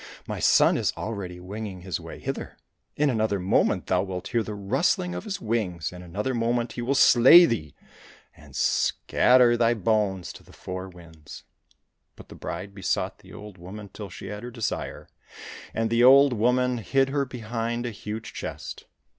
" My son is already winging his way hither. In another moment thou wilt hear the rustling of his wings, in another moment he will slay thee, and scatter thy 199 COSSACK FAIRY TALES bones to the four winds." But the bride besought the old woman till she had her desire, and the old woman hid her behind a huge chest.